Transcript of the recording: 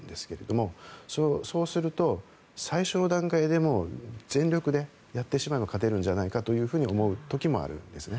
そうすると、最初の段階でもう全力でやってしまえば勝てるんじゃないかというふうに思う時もあるんですね。